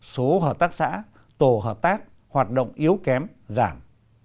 số hợp tác xã tổ hợp tác hoạt động yếu kém giảm